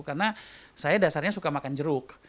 karena saya dasarnya suka makan jeruk